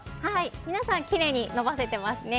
皆さん、きれいに延ばせていますね。